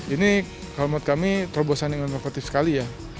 ini kalau menurut kami terobosan yang inovatif sekali ya